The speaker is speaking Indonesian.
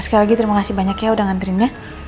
sekali lagi terima kasih banyak ya udah ngantrinya